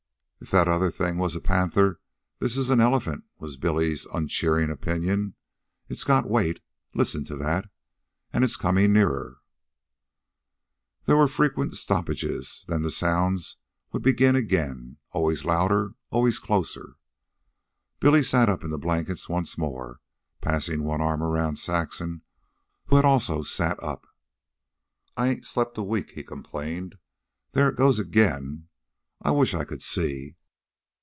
"If that other thing was a panther, this is an elephant," was Billy's uncheering opinion. "It's got weight. Listen to that. An' it's comin' nearer." There were frequent stoppages, then the sounds would begin again, always louder, always closer. Billy sat up in the blankets once more, passing one arm around Saxon, who had also sat up. "I ain't slept a wink," he complained. " There it goes again. I wish I could see."